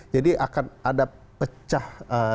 jadi akan ada pecah